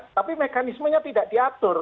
tapi mekanismenya tidak diatur